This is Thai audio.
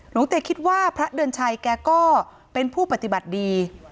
หลวงเตยคิดว่าพระเดือนชัยแกก็เป็นผู้ปฏิบัติดี